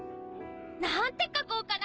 何て書こうかな！